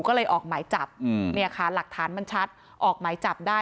ก็เลยออกหมายจับเนี่ยค่ะหลักฐานมันชัดออกหมายจับได้